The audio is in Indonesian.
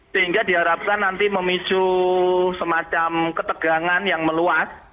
sehingga diharapkan nanti memicu semacam ketegangan yang meluas